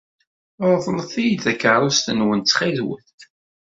Ṛeḍlet-iyi takeṛṛust-nwen ttxilwet.